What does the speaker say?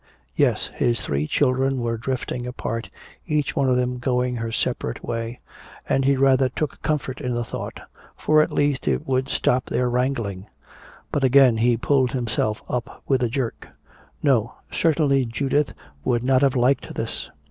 Yes, his three children were drifting apart, each one of them going her separate way. And he rather took comfort in the thought, for at least it would stop their wrangling. But again he pulled himself up with a jerk. No, certainly Judith would not have liked this.